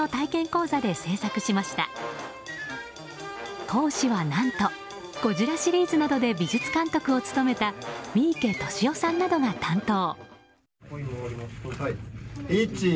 講師は何と「ゴジラ」シリーズなどで美術監督を務めた三池敏夫さんなどが担当。